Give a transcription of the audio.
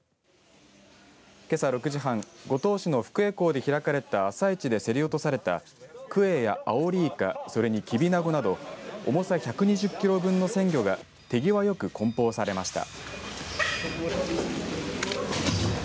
けさ６時半、五島市の福江港で開かれた朝市で競り落とされたくえやアオリイカそれにきびなごなど重さ１２０キロ分の鮮魚が手際よく、こん包されました。